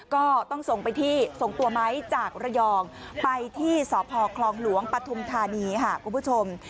ก็ต้องส่งไปที่ส่งตัวไม้จากระยองไปที่สพคลองหลวงปฐุมธานีค่ะคุณผู้ชม